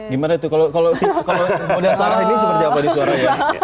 gimana tuh kalau modal searah ini seperti apa nih suaranya